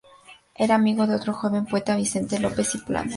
Era amigo de otro joven poeta, Vicente López y Planes.